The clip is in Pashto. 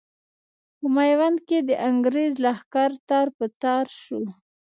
په ميوند کې د انګرېز لښکر تار په تار شو.